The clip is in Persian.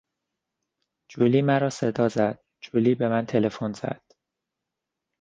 جولی مرا صدا زد، جولی به من تلفن زد.